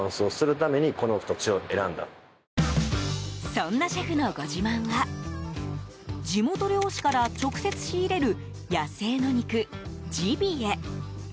そんなシェフのご自慢は地元猟師から直接仕入れる野生の肉、ジビエ。